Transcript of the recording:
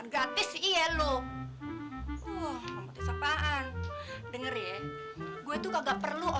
gatis iya terus mamu klubunya aku terima kasih ada akhi baik aja bang iya iya unasaper terus oke ya